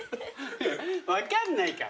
分かんないから。